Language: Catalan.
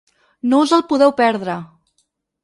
No us el podeu perdre!